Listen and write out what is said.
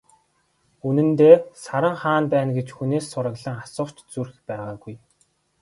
Үнэндээ, Саран хаана байна гэж хүнээс сураглан асуух ч зүрх байгаагүй.